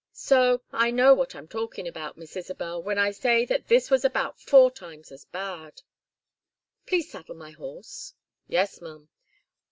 So, I know what I'm talkin' about, Miss Isabel, when I say that this was about four times as bad " "Please saddle my horse." "Yes, marm.